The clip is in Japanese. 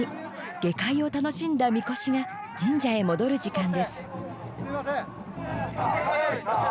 下界を楽しんだ神輿が神社へ戻る時間です。